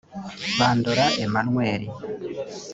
Bandora Emmanuel